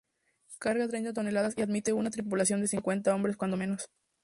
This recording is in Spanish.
Carga treinta toneladas y admite una tripulación de cincuenta hombres cuando menos.